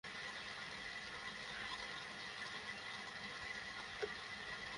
এটা খুব কঠিন হবে না।